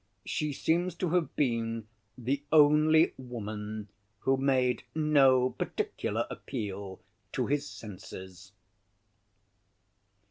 She seems to have been the only woman who made no particular appeal to his senses.